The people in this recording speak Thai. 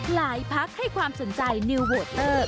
พักให้ความสนใจนิวโวเตอร์